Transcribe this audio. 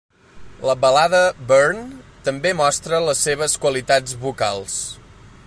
La balada "Burn" també mostra la seves qualitats vocals.